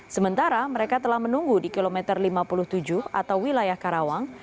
sementara mereka telah menunggu di kilometer lima puluh tujuh atau wilayah karawang